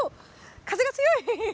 風が強い！